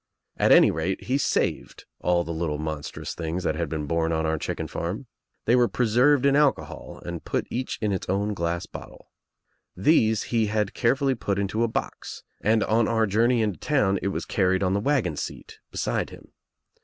At any rate he saved all the little monstrous things liat had been born on our chicken farm. They were . fa THE TRIUMPH OF THE EGG preserved In alcohol and put each In its own glass bottle. These he had carefully put Into a box and on our journey into town It was carried on the wagon seat beside him.